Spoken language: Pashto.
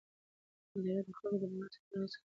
اداره د خلکو د باور ساتلو هڅه کوي.